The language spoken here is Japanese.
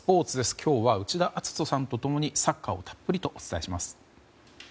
今日は内田篤人さんと共にサッカーをたっぷりとお伝えします。